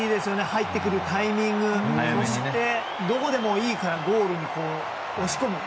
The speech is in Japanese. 入ってくるタイミングそして、どこでもいいからゴールに押し込む。